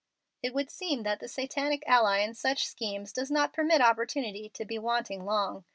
It would seem that the satanic ally in such schemes does not permit opportunity to be wanting long.